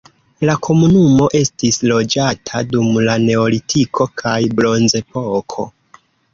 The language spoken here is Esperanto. La komunumo estis loĝata dum la neolitiko kaj bronzepoko.